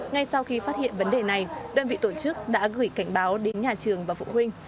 ngay sau khi phát hiện vấn đề này đơn vị tổ chức đã gửi cảnh báo đến nhà trường và phụ huynh